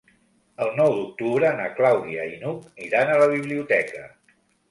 El nou d'octubre na Clàudia i n'Hug iran a la biblioteca.